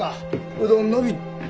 うどんのび。